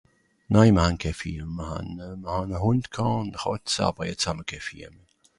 Nei mr han ké Vieh meh, mr hàn Hùnd ghàà ùn Chàtza àwer jetz hà mr ké Vieh.